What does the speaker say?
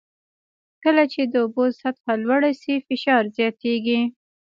کله چې د اوبو سطحه لوړه شي فشار زیاتېږي.